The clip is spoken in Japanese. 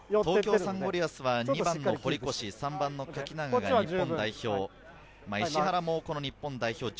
東京サンゴリアスは２番の堀越、３番の垣永が日本代表。